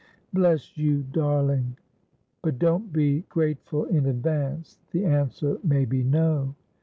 ' Bless you, darling !'' But don't be grateful in advance. The answer may be No.'